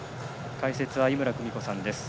解説は井村久美子さんです。